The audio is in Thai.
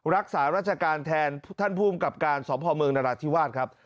รักษาราชการแทนท่านภูมิกับการสพเมืองนราธิวาสครับ